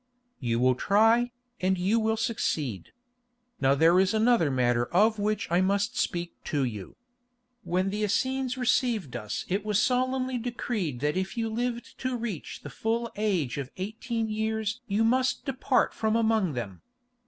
"You will try, and you will succeed. Now there is another matter of which I must speak to you. When the Essenes received us it was solemnly decreed that if you lived to reach the full age of eighteen years you must depart from among them.